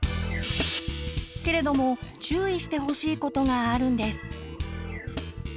けれども注意してほしい事があるんです。